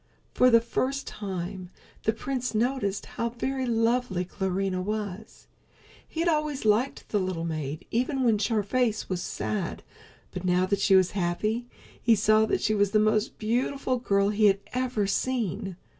For the first time the prince noticed how very lovely Clarinha was. He had always liked the little maid even when her face was sad, but now that she was happy he saw that she was the most beautiful girl he had ever seen.